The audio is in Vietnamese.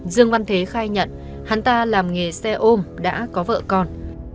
dương văn thế khai nhận hắn ta làm nghề xe ôm đã có vợ con